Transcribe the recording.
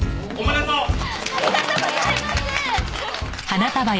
ありがとうございます！